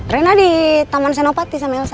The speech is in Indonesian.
reina di taman senopati sama elsa